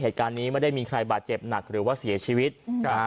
เหตุการณ์นี้ไม่ได้มีใครบาดเจ็บหนักหรือว่าเสียชีวิตนะฮะ